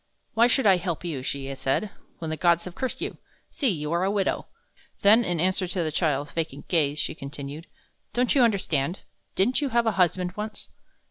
"Why should I help you," she said, "when the gods have cursed you? See, you are a widow!" Then, in answer to the child's vacant gaze, she continued: "Don't you understand? Didn't you have a husband once?"